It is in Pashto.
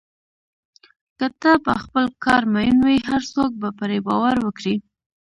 که ته په خپل کار مین وې، هر څوک به پرې باور وکړي.